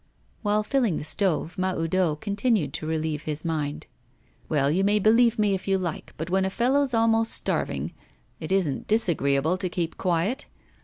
While filling the stove, Mahoudeau continued to relieve his mind. 'Well, you may believe me if you like, but when a fellow's almost starving it isn't disagreeable to keep quiet.